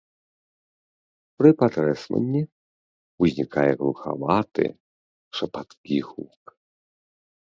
Пры патрэсванні ўзнікае глухаваты шапаткі гук.